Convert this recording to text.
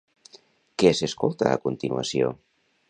Què s'escolta a continuació?